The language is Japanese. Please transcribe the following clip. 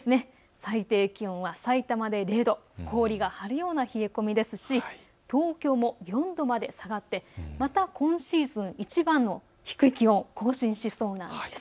最低気温はさいたまで０度、氷が張るような冷え込みですし東京も４度まで下がって今シーズンいちばん低い気温を更新しそうなんです。